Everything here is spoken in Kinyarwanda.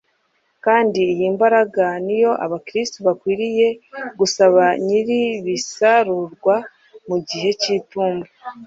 kandi iyi mbaraga ni yo Abakristo bakwiriye gusaba Nyiribisarurwa ” mu gihe cy’itumba”.